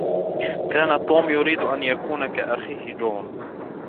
كان توم يريد أن يكون كأخيه جون.